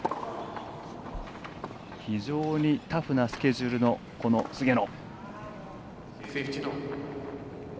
非常にタフなスケジュールのこの菅野。